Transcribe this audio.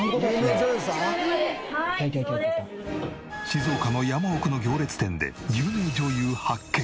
静岡の山奥の行列店で有名女優発見！